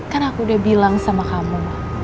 kan aku udah bilang sama kamu